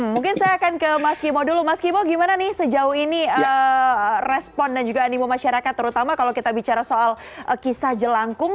mungkin saya akan ke mas kimo dulu mas kimo gimana nih sejauh ini respon dan juga animo masyarakat terutama kalau kita bicara soal kisah jelangkung